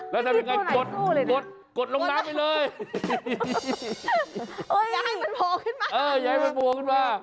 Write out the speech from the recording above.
ก็มันอ้าปากเท่านั้นค่ะ